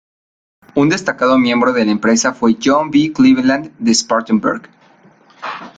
Un destacado miembro de la empresa fue John B. Cleveland de Spartanburg.